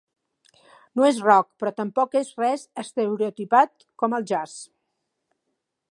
No és rock, però tampoc és res estereotipat com el jazz.